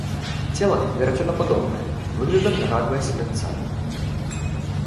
Цела верацёнападобнае, выглядам нагадвае селядца.